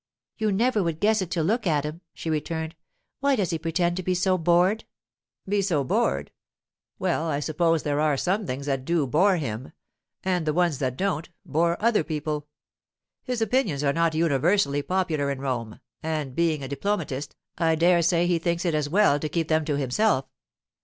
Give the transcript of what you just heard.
'You never would guess it to look at him!' she returned. 'Why does he pretend to be so bored?' 'Be so bored? Well, I suppose there are some things that do bore him; and the ones that don't, bore other people. His opinions are not universally popular in Rome, and being a diplomatist, I dare say he thinks it as well to keep them to himself.